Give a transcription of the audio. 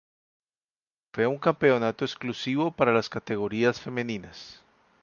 Fue un campeonato exclusivo para las categorías femeninas.